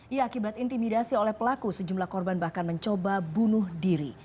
ya akibat intimidasi oleh pelaku sejumlah korban bahkan mencoba bunuh diri